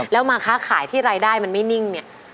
แล้วมาค้าขายที่รายได้มันไม่นิ่งเนี่ย